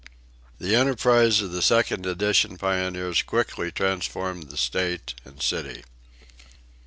The enterprise of the second edition pioneers quickly transformed the State and city.